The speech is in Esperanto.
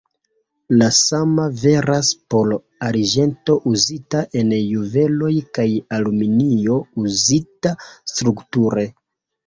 La sama veras por arĝento uzita en juveloj kaj aluminio uzita strukture.